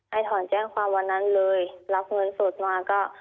ถอนแจ้งความวันนั้นเลยรับเงินสดมาก็